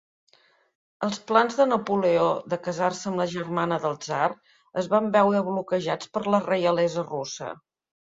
El plans de Napoleó de casar-se amb la germana del tsar es van veure bloquejats per la reialesa russa.